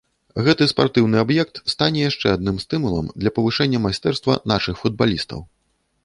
Гэты спартыўны аб'ект стане яшчэ адным стымулам для павышэння майстэрства нашых футбалістаў.